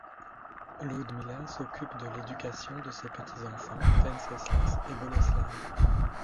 Ludmila s'occupe de l'éducation de ses petits-enfants, Venceslas et Boleslav.